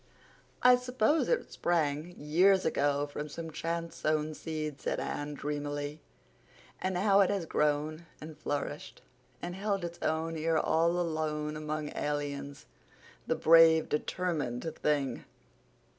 "I suppose it sprang years ago from some chance sown seed," said Anne dreamily. "And how it has grown and flourished and held its own here all alone among aliens, the brave determined thing!"